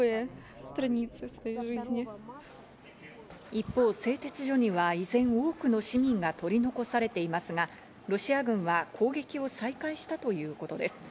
一方、製鉄所には依然多くの市民が取り残されていますが、ロシア軍は攻撃を再開したということです。